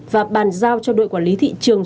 và bàn giao cho đội quản lý thị trường